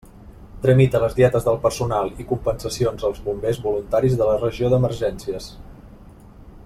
Tramita les dietes del personal i compensacions als bombers voluntaris de la regió d'emergències.